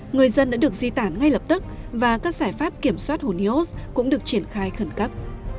người dân đã được di tản ngay lập tức và các giải pháp kiểm soát hồ nios cũng được triển khai khẩn cấp